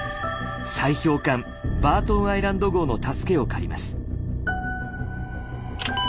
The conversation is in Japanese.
砕氷艦「バートンアイランド号」の助けを借ります。